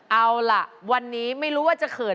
เอาล่ะวันนี้ไม่รู้ว่าจะเขิน